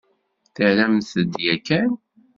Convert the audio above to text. Terramt-d yakan?